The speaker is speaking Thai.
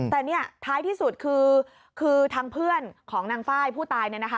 แต่เนี่ยท้ายที่สุดคือทางเพื่อนของนางไฟล์ผู้ตายเนี่ยนะคะ